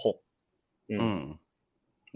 อืม